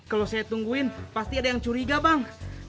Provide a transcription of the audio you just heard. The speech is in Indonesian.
kalau saya tungguin pasti ada yang curiga bang